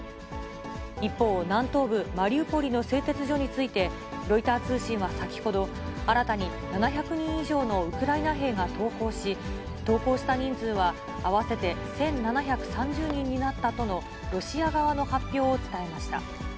一方、南東部マリウポリの製鉄所について、ロイター通信は先ほど、新たに７００人以上のウクライナ兵が投降し、投降した人数は合わせて１７３０人になったとのロシア側の発表を伝えました。